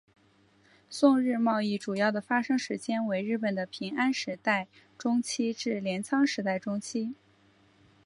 宋日贸易主要的发生时间为日本的平安时代中期至镰仓时代中期。